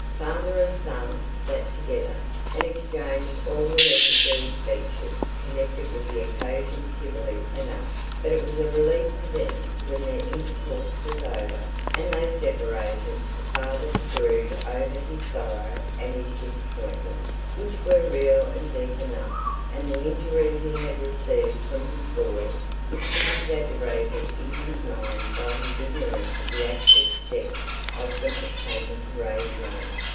Father and son sate together, and exchanged all the necessary speeches connected with the occasion civilly enough; but it was a relief to them when their intercourse was over, and they separated the father to brood over his sorrow and his disappointment, which were real and deep enough, and the injury he had received from his boy, which was exaggerated in his mind by his ignorance of the actual steps Osborne had taken to raise money.